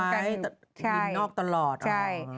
นั่งกันอยู่นอกตลอดเหรออ๋อใช่